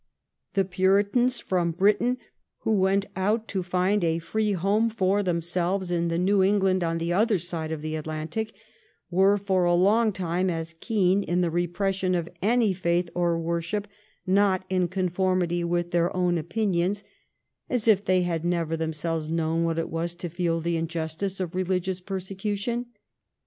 The Puritans from Britain who went out to found a free home for themselves in the New England on the other side of the Atlantic were for a long time as keen in the repression of any faith or worship not in conformity with their own opinions, as if they had never themselves known what it was to feel the injustice of religious persecution.